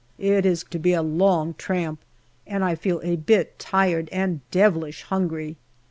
It is to be a long tramp, and I feel a bit tired and devilish hungry.